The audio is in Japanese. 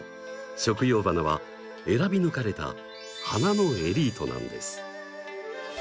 食用花は選び抜かれた花のエリートなんです。